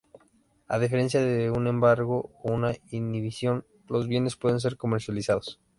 A diferencia de un embargo o una inhibición, los bienes pueden ser comercializados.